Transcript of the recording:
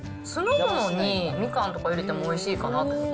酢の物にみかんとか入れてもおいしいかなと。